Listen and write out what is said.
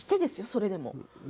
それでも。